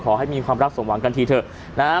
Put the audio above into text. ขอให้มีความรักส่งหวังกันเถอะ